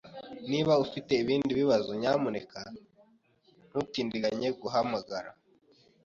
Niba ufite ibindi bibazo, nyamuneka ntutindiganye guhamagara.